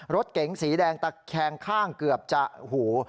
รถเก๋งสีแดงตะแคงข้างเกือบจะหู